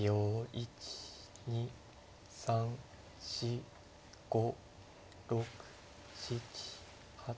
１２３４５６７８９。